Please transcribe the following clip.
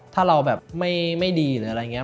ถ้าเราแบบไม่ดีหรืออะไรอย่างนี้